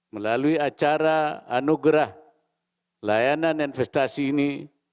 melalui acara anugerah layanan investasi ini